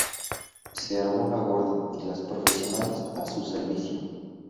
Se armó la gorda y Las profesionales, a su servicio.